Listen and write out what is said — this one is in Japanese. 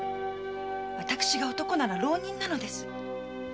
私が男なら浪人なのです。